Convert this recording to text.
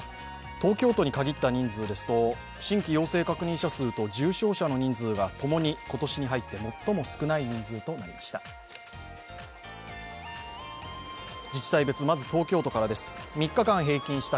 東京都に限った人数ですと新規陽性確認者数と重症者の人数がともに今年に入って最も少ない人数となりました。